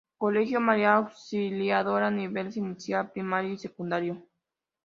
Colegio María Auxiliadora, niveles; Inicial, Primario y Secundario.